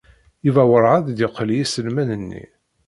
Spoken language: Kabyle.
Yuba werɛad d-yeqli iselman-nni.